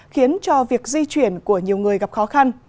khiến cho việc di chuyển của nhiều người gặp khó khăn